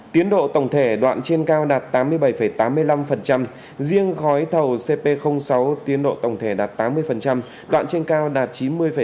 tiến độ tổng thể đoạn trên cao đạt tám mươi bảy tám mươi năm riêng khói thầu cp sáu tiến độ tổng thể đạt tám mươi đoạn trên cao đạt chín mươi ba mươi tám